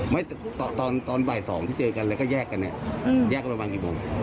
ตอนตอนบ่ายสองที่เจอกันแล้วก็แยกกันเนี่ยแยกกันประมาณกี่โมง